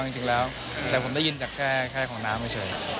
จะเล่นละครแล้ว